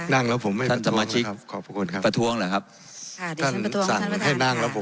นั่งแล้วผมให้ท่านสมาชิกขอบคุณครับประท้วงเหรอครับค่ะท่านสั่งให้นั่งแล้วผม